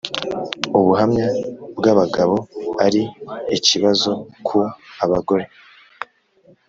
ubuhamya bwa abagabo ari ikibazo ku abagore